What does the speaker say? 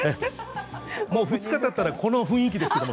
もう２日たったらこの雰囲気です。